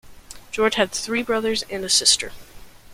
George had three brothers and a sister.